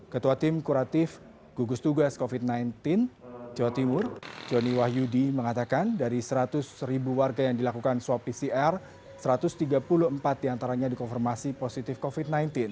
ketua tim kuratif gugus tugas covid sembilan belas jawa timur joni wahyudi mengatakan dari seratus ribu warga yang dilakukan swab pcr satu ratus tiga puluh empat diantaranya dikonfirmasi positif covid sembilan belas